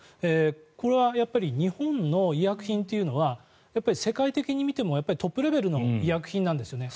これは日本の医薬品っていうのは世界的に見てもトップレベルの医薬品なんですよね。